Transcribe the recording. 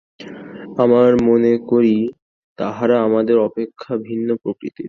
আমরা মনে করি, তাহারা আমাদের অপেক্ষা ভিন্ন প্রকৃতির।